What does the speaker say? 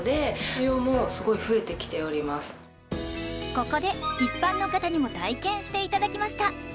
ここで一般の方にも体験していただきました